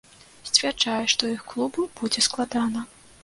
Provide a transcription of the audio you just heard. Сцвярджаю, што іх клубу будзе складана.